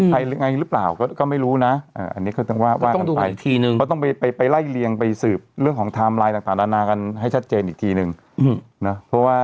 มีใครหลังไงหรือเปล่าก็ไม่รู้นะ